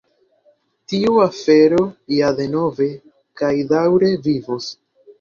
Tiu afero ja denove kaj daŭre vivos.